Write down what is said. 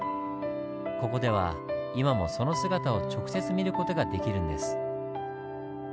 ここでは今もその姿を直接見る事ができるんです。